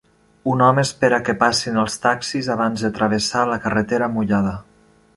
Un home espera que passin els taxis abans de travessar la carretera mullada